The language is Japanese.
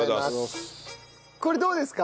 これどうですか？